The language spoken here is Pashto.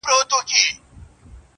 پوهنتون ته سوه کامیاب مکتب یې خلاص کئ,